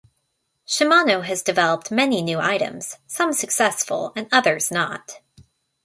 Shimano has developed many new items, some successful and others not.